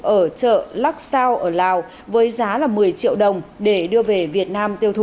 ở chợ lắc sao ở lào với giá một mươi triệu đồng để đưa về việt nam tiêu thụ